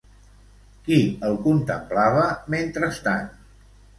Qui el contemplava, mentrestant?